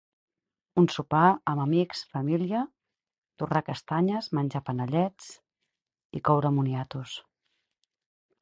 Un sopar amb amics, família, torrar castanyes, menjar panellets i coure moniatos.